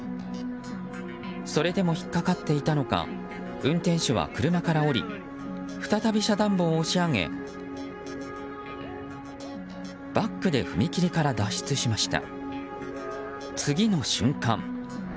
それでも引っかかっていたのか運転手は車から降り再び遮断棒を押し上げバックで踏切から脱出しました。